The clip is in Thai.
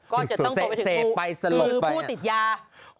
ก็จะต้องพบไปถึงผู้คือผู้ติดยาสาลมไป